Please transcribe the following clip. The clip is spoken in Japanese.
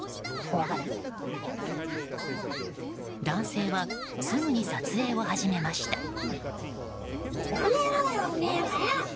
男性はすぐに撮影を始めました。